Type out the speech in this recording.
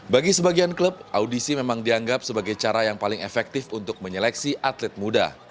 bagi sebagian klub audisi memang dianggap sebagai cara yang paling efektif untuk menyeleksi atlet muda